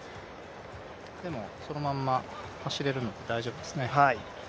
でもそのまま走れるので大丈夫ですね。